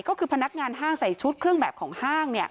ก็คือพนักงานห้างใส่ชุดเครื่องแบบของห้าง